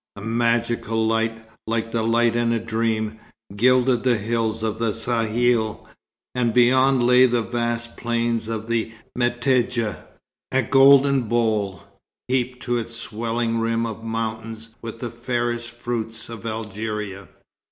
A magical light, like the light in a dream, gilded the hills of the Sahel; and beyond lay the vast plain of the Metidja, a golden bowl, heaped to its swelling rim of mountains with the fairest fruits of Algeria.